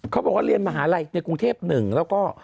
เขาบอกว่าเรียนมหาลัยในกรุงเทพ๑แล้วก็